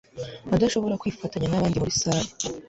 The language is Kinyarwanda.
adashobora kwifatanya nabandi muri salle